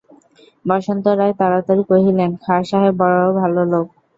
বসন্ত রায় তাড়াতাড়ি কহিলেন, খাঁ সাহেব বড়ো ভালো লোক।